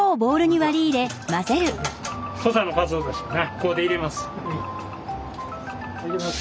ここで入れます。